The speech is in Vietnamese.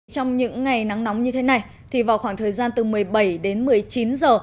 trong những ngày nắng nóng như thế này thì vào khoảng thời gian từ một mươi bảy đến một mươi chín giờ